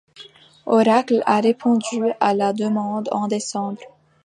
Oracle a répondu à la demande en décembre.